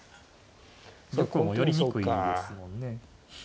玉も寄りにくいですもんね。